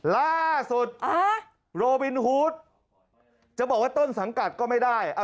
ล่าสุดโรบินฮูดจะบอกว่าต้นสังกัดก็ไม่ได้